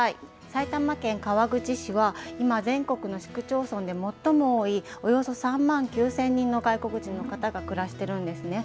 埼玉県川口市は、今、全国の市区町村で最も多い、およそ３万９０００人の外国人の方が暮らしてるんですね。